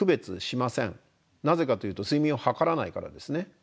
なぜかというと睡眠を測らないからですね。